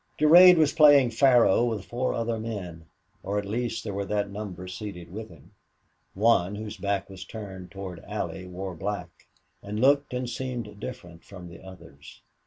Durade was playing faro with four other men, or at least there were that number seated with him. One, whose back was turned toward Allie, wore black, and looked and seemed different from the others.